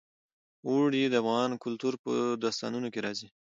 اوړي د افغان کلتور په داستانونو کې راځي.